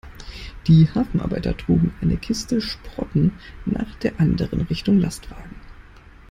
Die Hafenarbeiter trugen eine Kiste Sprotten nach der anderen Richtung Lastwagen.